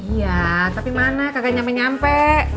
iya tapi mana gak nyampe nyampe